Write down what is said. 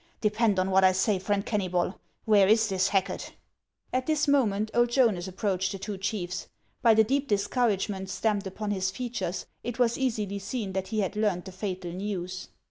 Depend on what I say, friend Kennvbol. "Where is this Hacket ?" HAXS OF ICELAND. . 383 At this moment old Jonas approached the two chiefs. By the deep discouragement stamped upon his features it was easily seen that he had learned the fatal news.